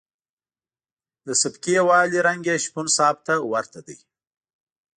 د سبکي یوالي رنګ یې شپون صاحب ته ورته دی.